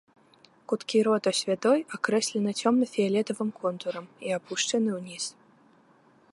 Куткі рота святой акрэслены цёмна-фіялетавым контурам і апушчаны ўніз.